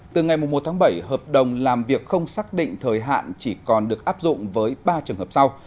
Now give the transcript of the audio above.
từ ngày một tháng bảy hợp đồng làm việc không xác định thời hạn chỉ còn được áp dụng với ba trường hợp sau